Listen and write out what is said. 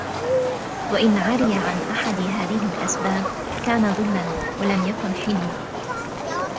وَإِنْ عَرِيَ عَنْ أَحَدِ هَذِهِ الْأَسْبَابِ كَانَ ذُلًّا وَلَمْ يَكُنْ حِلْمًا